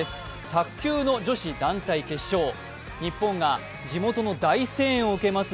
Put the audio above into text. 卓球の女子団体決勝、日本が地元の大声援を受けます